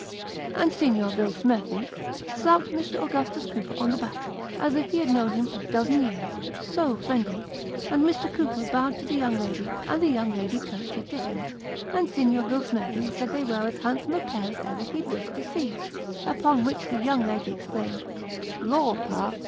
And Signor Billsmethi slapped Mr. Augustus Cooper on the back, as if he had known him a dozen years, so friendly ; and Mr. Cooper bowed to the young lady, and the young lady curtsied to him, and Signor Billsmethi said they were as handsome, a pair as ever he'd wish to see ; upon which the young lady exclaimed, " Lor, pa